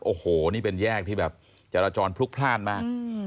โอ้โหนี่เป็นแยกที่แบบจราจรพลุกพลาดมาก